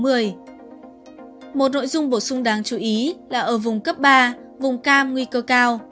một nội dung bổ sung đáng chú ý là ở vùng cấp ba vùng cam nguy cơ cao